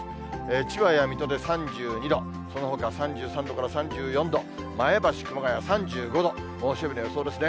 千葉や水戸で３２度、そのほかは３３度から３４度、前橋、熊谷３５度、猛暑日の予想ですね。